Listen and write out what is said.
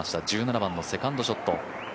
１７番のセカンドショット。